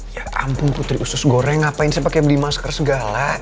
ya ampun putri usus goreng ngapain saya pakai beli masker segala